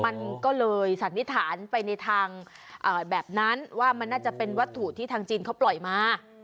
มันก็เลยสันนิษฐานไปในทางแบบนั้นว่ามันน่าจะเป็นวัตถุที่ทางจีนเขาปล่อยมา